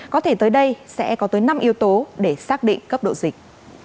có thể tới đây sẽ có tới năm yếu tố để xác định cấp độ dịch